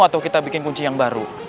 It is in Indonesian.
atau kita bikin kunci yang baru